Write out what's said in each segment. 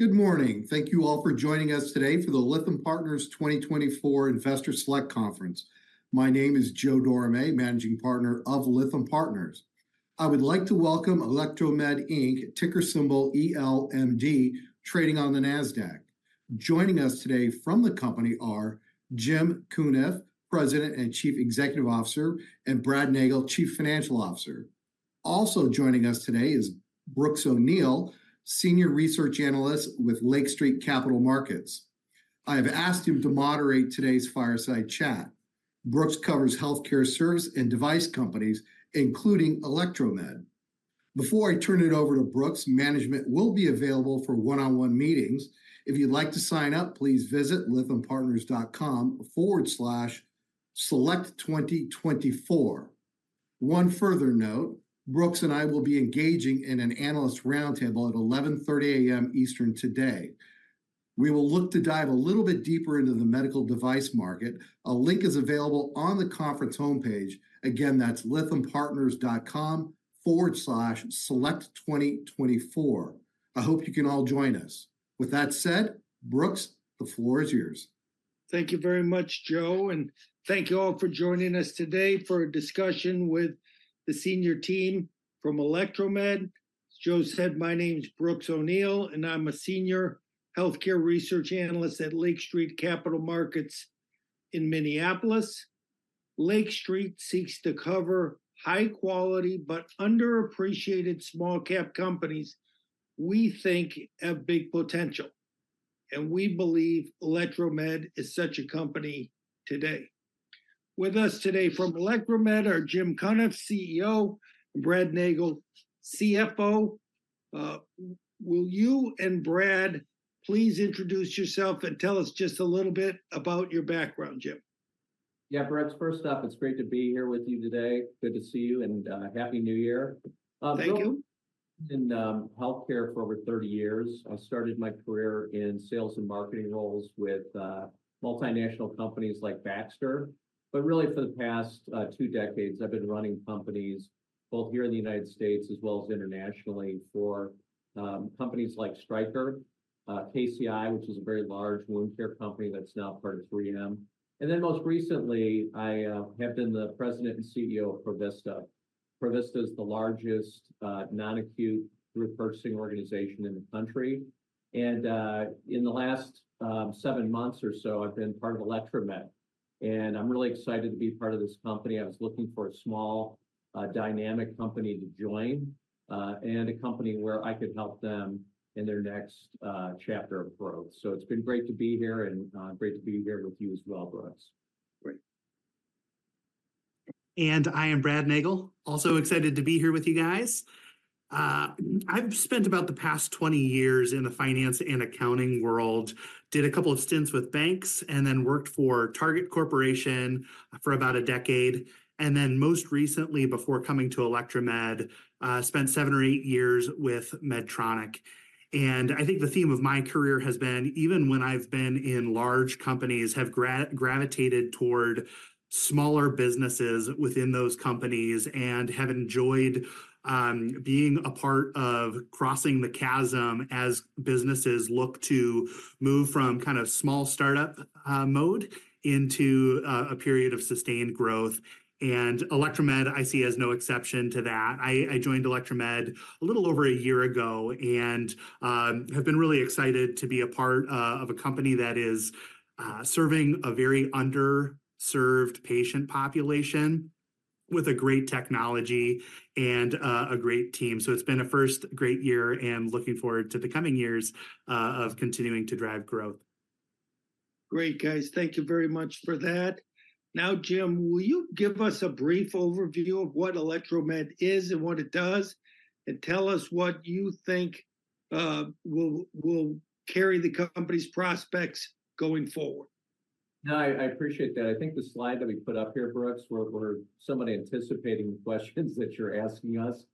Good morning. Thank you all for joining us today for the Lytham Partners 2024 Investor Select Conference. My name is Joe Dorame, Managing Partner of Lytham Partners. I would like to welcome Electromed Inc, ticker symbol ELMD, trading on the Nasdaq. Joining us today from the company are Jim Cunniff, President and Chief Executive Officer, and Brad Nagel, Chief Financial Officer. Also joining us today is Brooks O'Neil, Senior Research Analyst with Lake Street Capital Markets. I have asked him to moderate today's fireside chat. Brooks covers healthcare service and device companies, including Electromed. Before I turn it over to Brooks, management will be available for one-on-one meetings. If you'd like to sign up, please visit lythampartners.com/select2024. One further note, Brooks and I will be engaging in an analyst roundtable at 11:30AM Eastern today. We will look to dive a little bit deeper into the medical device market. A link is available on the conference homepage. Again, that's lythampartners.com/select2024. I hope you can all join us. With that said, Brooks, the floor is yours. Thank you very much, Joe, and thank you all for joining us today for a discussion with the senior team from Electromed. As Joe said, my name is Brooks O'Neil, and I'm a senior healthcare research analyst at Lake Street Capital Markets in Minneapolis. Lake Street seeks to cover high quality, but underappreciated small cap companies we think have big potential, and we believe Electromed is such a company today. With us today from Electromed are Jim Cunniff, CEO, and Brad Nagel, CFO. Will you and Brad please introduce yourself and tell us just a little bit about your background, Jim? Yeah, Brooks, first up, it's great to be here with you today. Good to see you, and Happy New Year. Thank you. In healthcare for over 30 years. I started my career in sales and marketing roles with multinational companies like Baxter. But really for the past two decades, I've been running companies both here in the United States as well as internationally for companies like Stryker, KCI, which is a very large wound care company that's now part of 3M. And then most recently, I have been the President and CEO of Provista. Provista is the largest non-acute group purchasing organization in the country. And in the last seven months or so, I've been part of Electromed, and I'm really excited to be part of this company. I was looking for a small dynamic company to join and a company where I could help them in their next chapter of growth. It's been great to be here and great to be here with you as well, Brooks. Great. I am Brad Nagel, also excited to be here with you guys. I've spent about the past 20 years in the finance and accounting world. Did a couple of stints with banks and then worked for Target Corporation for about a decade. Then most recently, before coming to Electromed, spent seven or eight years with Medtronic. And I think the theme of my career has been, even when I've been in large companies, have gravitated toward smaller businesses within those companies and have enjoyed being a part of crossing the chasm as businesses look to move from kind of small startup mode into a period of sustained growth. Electromed, I see, as no exception to that. I joined Electromed a little over a year ago and have been really excited to be a part of a company that is serving a very underserved patient population with a great technology and a great team. So it's been a first great year and looking forward to the coming years of continuing to drive growth. Great, guys. Thank you very much for that. Now, Jim, will you give us a brief overview of what Electromed is and what it does, and tell us what you think will carry the company's prospects going forward? No, I appreciate that. I think the slide that we put up here, Brooks, we're somewhat anticipating the questions that you're asking us.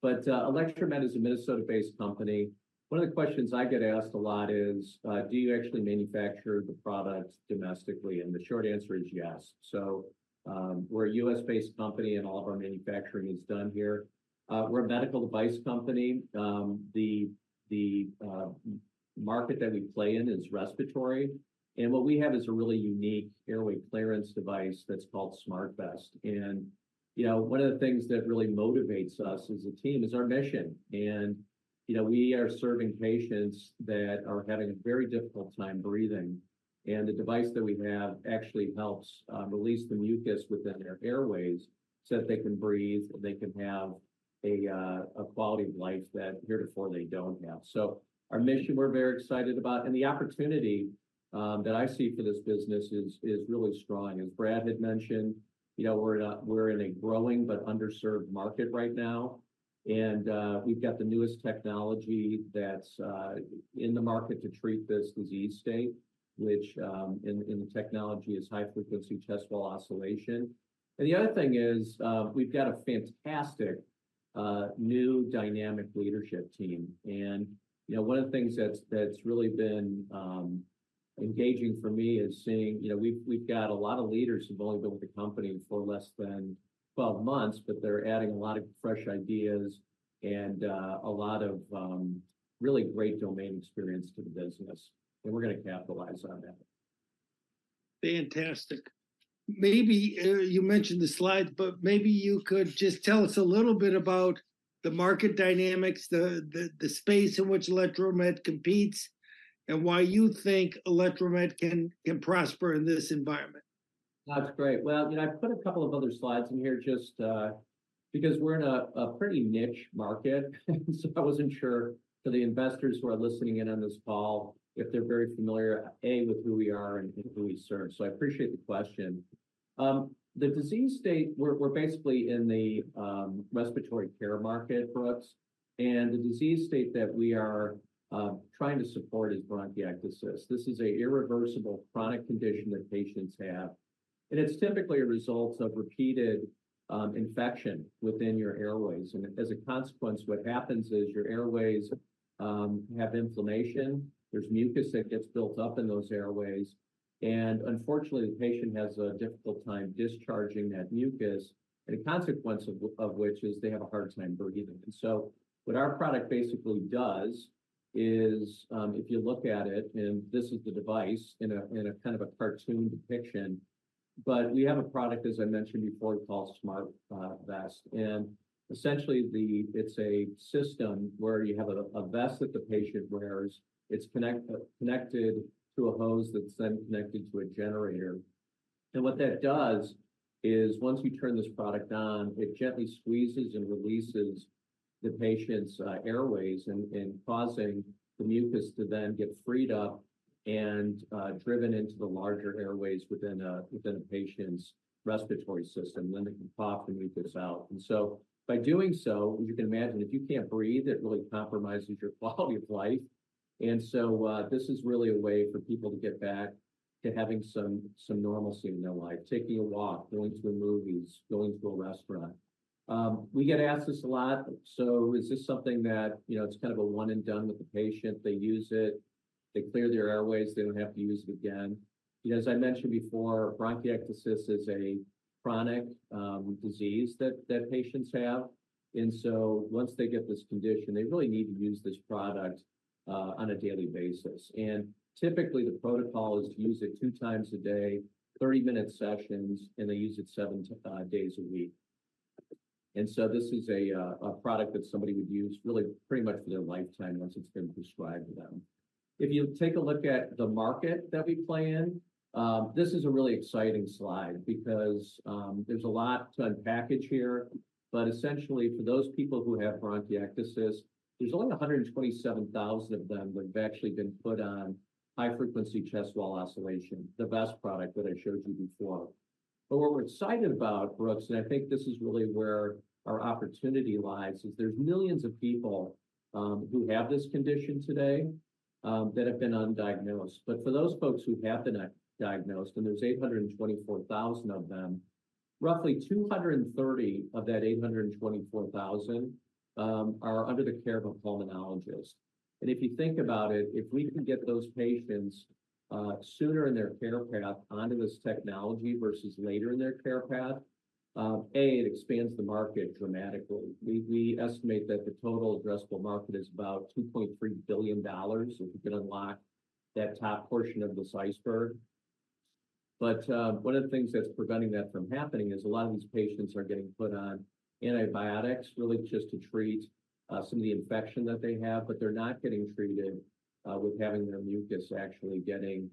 But, Electromed is a Minnesota-based company. One of the questions I get asked a lot is, "Do you actually manufacture the products domestically?" And the short answer is yes. So, we're a US-based company, and all of our manufacturing is done here. We're a medical device company. The market that we play in is respiratory, and what we have is a really unique airway clearance device that's called SmartVest. And, you know, one of the things that really motivates us as a team is our mission. You know, we are serving patients that are having a very difficult time breathing, and the device that we have actually helps release the mucus within their airways so that they can breathe, and they can have a quality of life that heretofore they don't have. So our mission, we're very excited about, and the opportunity that I see for this business is really strong. As Brad had mentioned, you know, we're in a growing but underserved market right now, and we've got the newest technology that's in the market to treat this disease state, which in the technology is high-frequency chest wall oscillation. And the other thing is, we've got a fantastic new dynamic leadership team. And, you know, one of the things that's really been engaging for me is seeing, you know, we've got a lot of leaders who've only been with the company for less than 12 months, but they're adding a lot of fresh ideas and a lot of really great domain experience to the business, and we're gonna capitalize on that. Fantastic. Maybe you mentioned the slides, but maybe you could just tell us a little bit about the market dynamics, the space in which Electromed competes, and why you think Electromed can prosper in this environment. That's great. Well, you know, I put a couple of other slides in here just because we're in a pretty niche market. So I wasn't sure for the investors who are listening in on this call, if they're very familiar with who we are and who we serve. So I appreciate the question. The disease state, we're basically in the respiratory care market, Brooks, and the disease state that we are trying to support is bronchiectasis. This is an irreversible chronic condition that patients have, and it's typically a result of repeated infection within your airways. And as a consequence, what happens is your airways have inflammation. There's mucus that gets built up in those airways, and unfortunately, the patient has a difficult time discharging that mucus, and a consequence of which is they have a hard time breathing. And so what our product basically does is, if you look at it, and this is the device in a kind of a cartoon depiction, but we have a product, as I mentioned before, called SmartVest. And essentially, it's a system where you have a vest that the patient wears. It's connected to a hose that's then connected to a generator. And what that does is once you turn this product on, it gently squeezes and releases the patient's airways and causing the mucus to then get freed up and driven into the larger airways within a patient's respiratory system. Then they can cough the mucus out. So by doing so, you can imagine if you can't breathe, it really compromises your quality of life. So this is really a way for people to get back to having some normalcy in their life, taking a walk, going to the movies, going to a restaurant. We get asked this a lot: So is this something that, you know, it's kind of a one and done with the patient? They use it, they clear their airways, they don't have to use it again. As I mentioned before, bronchiectasis is a chronic disease that patients have, and so once they get this condition, they really need to use this product on a daily basis. Typically, the protocol is to use it two times a day, 30-minute sessions, and they use it seven to five days a week. So this is a product that somebody would use really pretty much for their lifetime once it's been prescribed to them. If you take a look at the market that we play in, this is a really exciting slide because there's a lot to unpack here. But essentially, for those people who have bronchiectasis, there's only 127,000 of them who've actually been put on high-frequency chest wall oscillation, the vest product that I showed you before. But what we're excited about, Brooks, and I think this is really where our opportunity lies, is there's millions of people who have this condition today that have been undiagnosed. But for those folks who have been diagnosed, and there's 824,000 of them, roughly 230 of that 824,000 are under the care of a pulmonologist. And if you think about it, if we can get those patients sooner in their care path onto this technology versus later in their care path, it expands the market dramatically. We estimate that the total addressable market is about $2.3 billion if we can unlock that top portion of the iceberg. But one of the things that's preventing that from happening is a lot of these patients are getting put on antibiotics, really just to treat some of the infection that they have, but they're not getting treated with having their mucus actually getting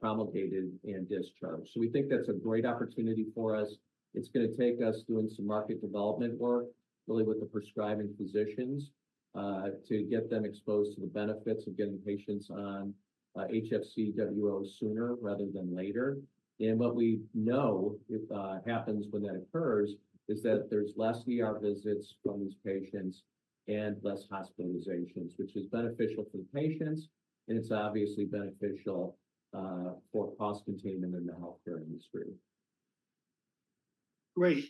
promulgated and discharged. So we think that's a great opportunity for us. It's gonna take us doing some market development work, really with the prescribing physicians, to get them exposed to the benefits of getting patients on HFCWO sooner rather than later. And what we know, if happens when that occurs, is that there's less ER visits from these patients and less hospitalizations, which is beneficial for the patients, and it's obviously beneficial for cost containment in the healthcare industry. Great.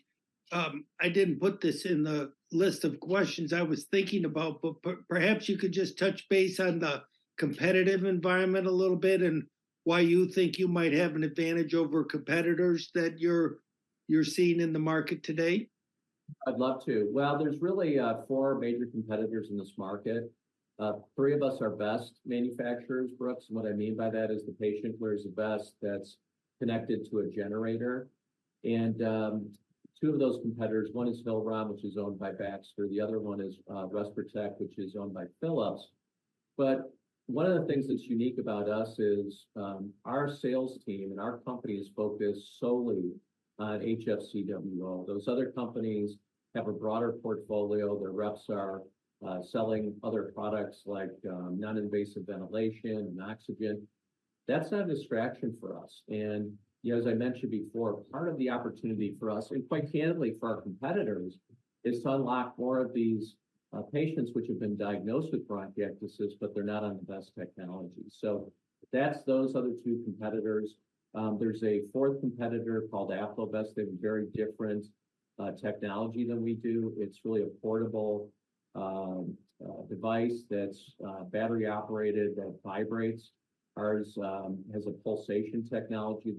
I didn't put this in the list of questions I was thinking about, but perhaps you could just touch base on the competitive environment a little bit and why you think you might have an advantage over competitors that you're seeing in the market today? I'd love to. Well, there's really four major competitors in this market. Three of us are vest manufacturers, Brooks, and what I mean by that is the patient wears a vest that's connected to a generator. Two of those competitors, one is Hillrom, which is owned by Baxter, the other one is RespirTech, which is owned by Philips. One of the things that's unique about us is our sales team and our company is focused solely on HFCWO. Those other companies have a broader portfolio. Their reps are selling other products like non-invasive ventilation and oxygen. That's not a distraction for us. You know, as I mentioned before, part of the opportunity for us, and quite candidly for our competitors, is to unlock more of these patients, which have been diagnosed with bronchiectasis, but they're not on the best technology. That's those other two competitors. There's a fourth competitor called AffloVest. They have a very different technology than we do. It's really a portable device that's battery-operated, that vibrates. Ours has a pulsation technology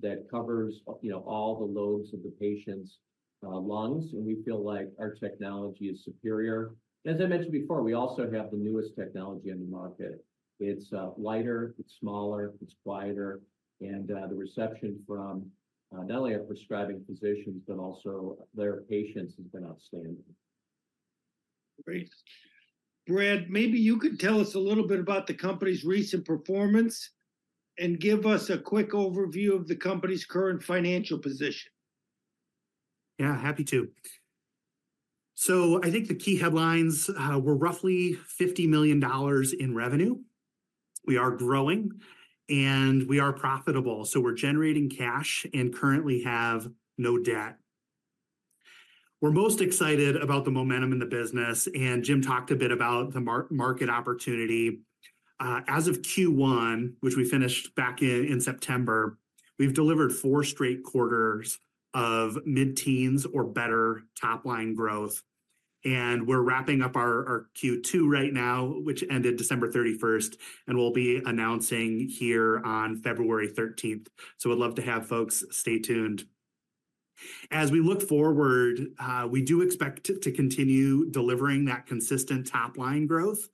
that covers, you know, all the lobes of the patients' lungs, and we feel like our technology is superior. As I mentioned before, we also have the newest technology on the market. It's lighter, it's smaller, it's quieter, and the reception from not only our prescribing physicians, but also their patients, has been outstanding. Great. Brad, maybe you could tell us a little bit about the company's recent performance, and give us a quick overview of the company's current financial position. Yeah, happy to. So I think the key headlines, we're roughly $50 million in revenue. We are growing, and we are profitable, so we're generating cash and currently have no debt. We're most excited about the momentum in the business, and Jim talked a bit about the market opportunity. As of first quarter, which we finished back in September, we've delivered four straight quarters of mid-teens or better top-line growth, and we're wrapping up our second quarter right now, which ended 31 December 2023, and we'll be announcing here on 13 February 2024. So would love to have folks stay tuned. As we look forward, we do expect to continue delivering that consistent top-line growth,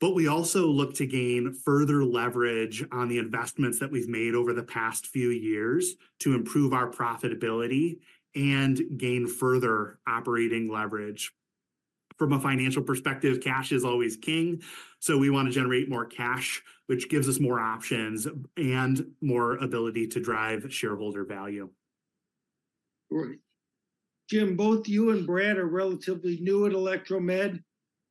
but we also look to gain further leverage on the investments that we've made over the past few years to improve our profitability and gain further operating leverage. From a financial perspective, cash is always king, so we want to generate more cash, which gives us more options and more ability to drive shareholder value. Great. Jim, both you and Brad are relatively new at Electromed.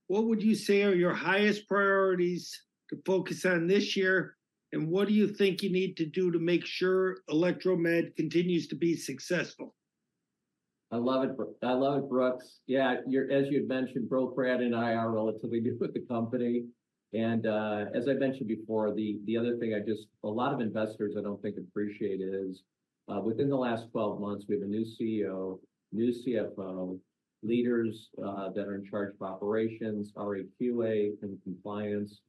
What would you say are your highest priorities to focus on this year, and what do you think you need to do to make sure Electromed continues to be successful? I love it, Brooks. Yeah, as you had mentioned, both Brad and I are relatively new with the company, and, as I mentioned before, the other thing a lot of investors I don't think appreciate is, within the last 12 months, we have a new CEO, new CFO, leaders that are in charge of operations, RAQA, and compliance,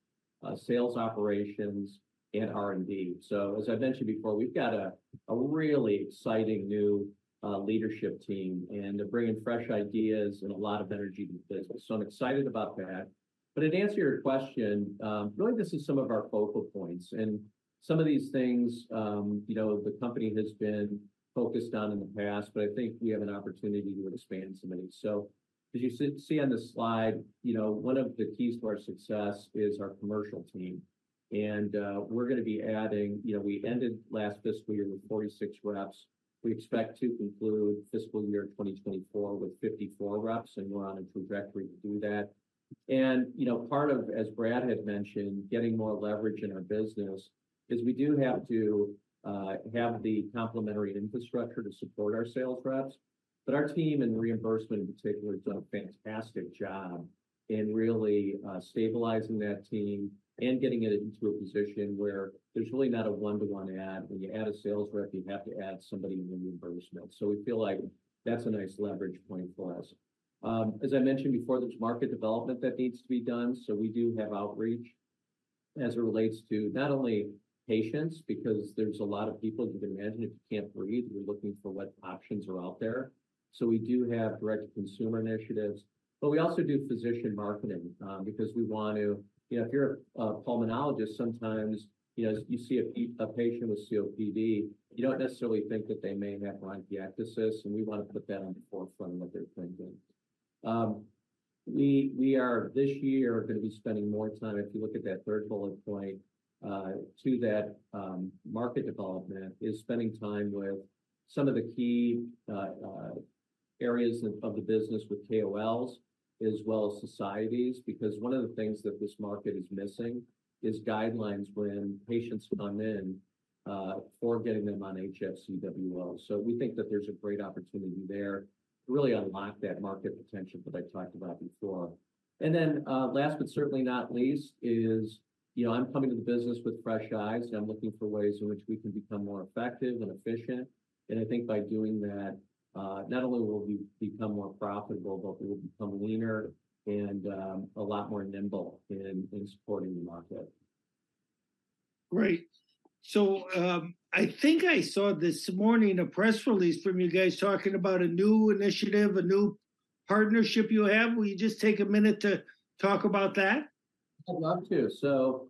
sales operations, and R&D. So as I mentioned before, we've got a really exciting new leadership team, and they're bringing fresh ideas and a lot of energy to the business, so I'm excited about that. But to answer your question, really, this is some of our focal points, and some of these things, you know, the company has been focused on in the past, but I think we have an opportunity to expand some of these. So as you see on the slide, you know, one of the keys to our success is our commercial team, and we're gonna be adding. You know, we ended last fiscal year with 46 reps. We expect to conclude fiscal year 2024 with 54 reps, and we're on a trajectory to do that. And, you know, part of, as Brad had mentioned, getting more leverage in our business, is we do have to have the complementary infrastructure to support our sales reps. But our team and reimbursement, in particular, has done a fantastic job in really stabilizing that team and getting it into a position where there's really not a one-to-one add. When you add a sales rep, you have to add somebody in the reimbursement. So we feel like that's a nice leverage point for us. As I mentioned before, there's market development that needs to be done, so we do have outreach as it relates to not only patients, because there's a lot of people, you can imagine, if you can't breathe, you're looking for what options are out there. So we do have direct consumer initiatives, but we also do physician marketing, because we want to... You know, if you're a pulmonologist, sometimes, you know, you see a patient with COPD, you don't necessarily think that they may have bronchiectasis, and we want to put that on the forefront of what they're thinking. We are, this year, gonna be spending more time, if you look at that third bullet point, to that market development, is spending time with some of the key areas of the business with KOLs as well as societies. Because one of the things that this market is missing is guidelines when patients come in, for getting them on HFCWO. So we think that there's a great opportunity there to really unlock that market potential that I talked about before. And then, last but certainly not least is, you know, I'm coming to the business with fresh eyes, and I'm looking for ways in which we can become more effective and efficient. And I think by doing that, not only will we become more profitable, but we will become leaner and, a lot more nimble in, in supporting the market. Great. So, I think I saw this morning a press release from you guys talking about a new initiative, a new partnership you have. Will you just take a minute to talk about that? I'd love to. So,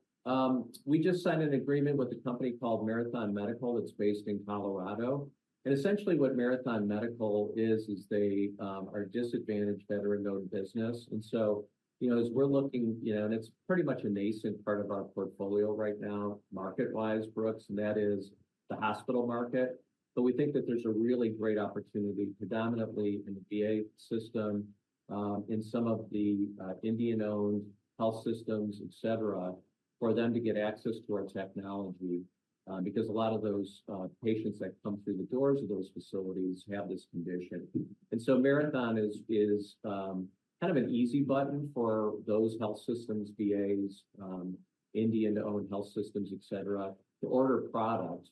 we just signed an agreement with a company called Marathon Medical that's based in Colorado. Essentially, what Marathon Medical is, is they are a disadvantaged veteran-owned business, and so, you know, as we're looking, you know. It's pretty much a nascent part of our portfolio right now, market-wise, Brooks, and that is the hospital market. But we think that there's a really great opportunity, predominantly in the VA system, in some of the Indian-owned health systems, et cetera, for them to get access to our technology, because a lot of those patients that come through the doors of those facilities have this condition. So Marathon is, is, kind of an easy button for those health systems, VAs, Indian-owned health systems, et cetera, to order product.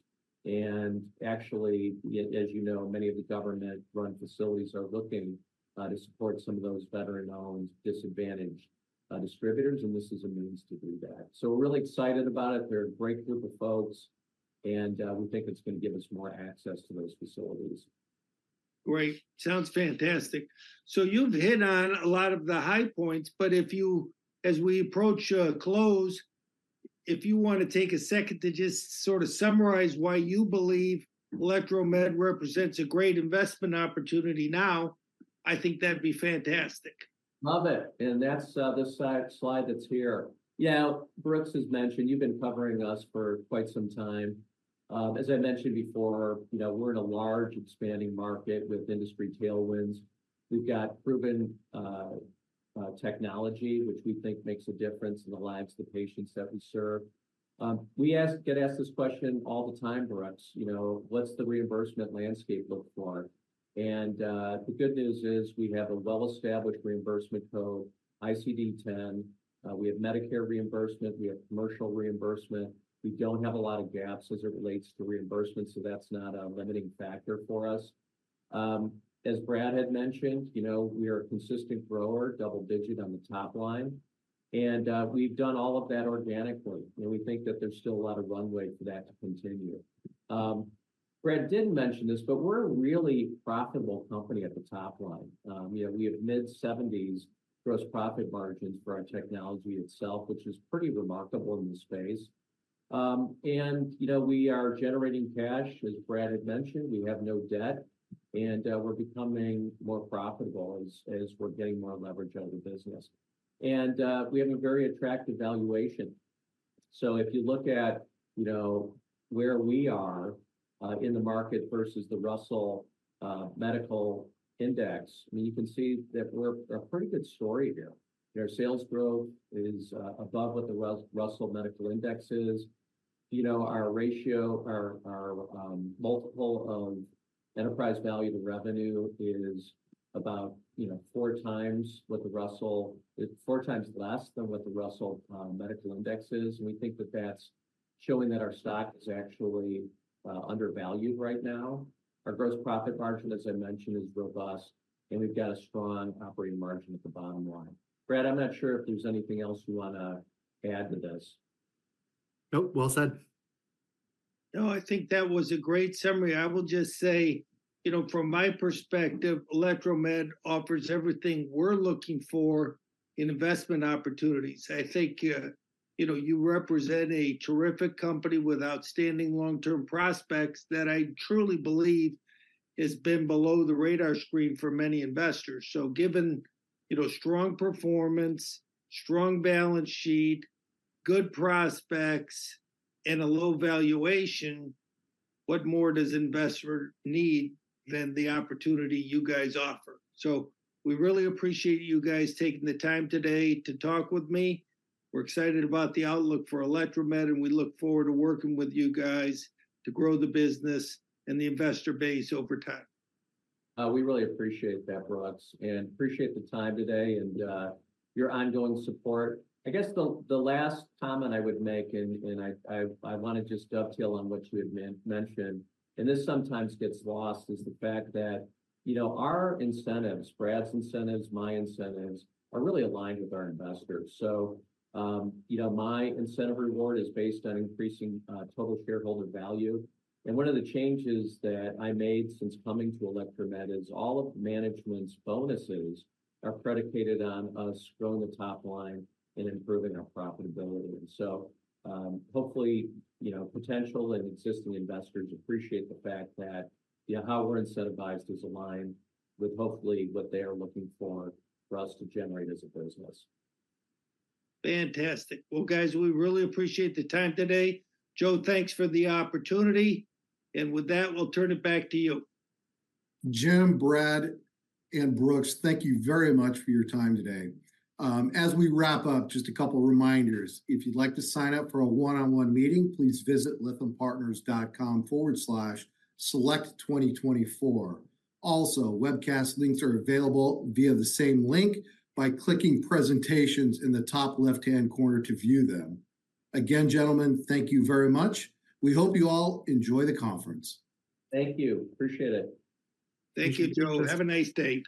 Actually, as you know, many of the government-run facilities are looking to support some of those veteran-owned, disadvantaged distributors, and this is a means to do that. So we're really excited about it. They're a great group of folks, and we think it's gonna give us more access to those facilities. Great. Sounds fantastic. So you've hit on a lot of the high points, but if you, as we approach, close, if you wanna take a second to just sort of summarize why you believe Electromed represents a great investment opportunity now, I think that'd be fantastic. Love it, and that's this slide that's here. Yeah, Brooks has mentioned you've been covering us for quite some time. As I mentioned before, you know, we're in a large, expanding market with industry tailwinds. We've got proven technology, which we think makes a difference in the lives of the patients that we serve. We get asked this question all the time, Brooks, you know, "What's the reimbursement landscape look for?" The good news is we have a well-established reimbursement code, ICD-10. We have Medicare reimbursement. We have commercial reimbursement. We don't have a lot of gaps as it relates to reimbursement, so that's not a limiting factor for us. As Brad had mentioned, you know, we are a consistent grower, double-digit on the top line, and we've done all of that organically, and we think that there's still a lot of runway for that to continue. Brad didn't mention this, but we're a really profitable company at the top line. You know, we have mid-70% gross profit margins for our technology itself, which is pretty remarkable in the space. You know, we are generating cash, as Brad had mentioned. We have no debt, and we're becoming more profitable as we're getting more leverage out of the business. We have a very attractive valuation. So if you look at, you know, where we are in the market versus the Russell Medical Index, I mean, you can see that we're a pretty good story here. Our sales growth is above what the Russell Medical Index is. You know, our ratio, our multiple of enterprise value to revenue is about, you know, four times less than what the Russell Medical Index is, and we think that that's showing that our stock is actually undervalued right now. Our gross profit margin, as I mentioned, is robust, and we've got a strong operating margin at the bottom line. Brad, I'm not sure if there's anything else you wanna add to this. Nope, well said. No, I think that was a great summary. I will just say, you know, from my perspective, Electromed offers everything we're looking for in investment opportunities. I think, you know, you represent a terrific company with outstanding long-term prospects that I truly believe has been below the radar screen for many investors. So given, you know, strong performance, strong balance sheet, good prospects, and a low valuation, what more does investor need than the opportunity you guys offer? So we really appreciate you guys taking the time today to talk with me. We're excited about the outlook for Electromed, and we look forward to working with you guys to grow the business and the investor base over time. We really appreciate that, Brooks, and appreciate the time today and your ongoing support. I guess the last comment I would make, and I wanna just dovetail on what you've mentioned, and this sometimes gets lost, is the fact that, you know, our incentives, Brad's incentives, my incentives, are really aligned with our investors. So, you know, my incentive reward is based on increasing total shareholder value, and one of the changes that I made since coming to Electromed is all of management's bonuses are predicated on us growing the top line and improving our profitability. And so, hopefully, you know, potential and existing investors appreciate the fact that, you know, how we're incentivized is aligned with hopefully what they are looking for for us to generate as a business. Fantastic. Well, guys, we really appreciate the time today. Joe, thanks for the opportunity, and with that, we'll turn it back to you. Jim, Brad, and Brooks, thank you very much for your time today. As we wrap up, just a couple reminders. If you'd like to sign up for a one-on-one meeting, please visit lythampartners.com/select2024. Also, webcast links are available via the same link by clicking Presentations in the top left-hand corner to view them. Again, gentlemen, thank you very much. We hope you all enjoy the conference. Thank you. Appreciate it. Thank you, Joe. Have a nice day.